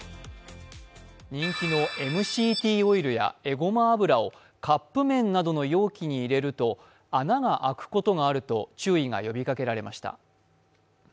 人気のＭＣＴオイルやえごま油をカップ麺などの容器に入れると穴が開くことがあると注意が呼びかけられました。